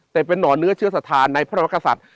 แต่เป็นห่อเนื้อเชื่อสัทธาในพระมกษัตริย์